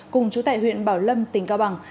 cùng chú tại huyện bảo lâm tỉnh cao bằng